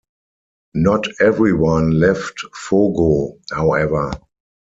Not everyone left Fogo, however.